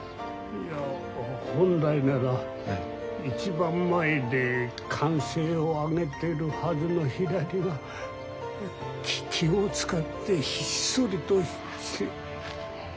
いや本来なら一番前で歓声を上げてるはずのひらりが気を遣ってひっそりとして。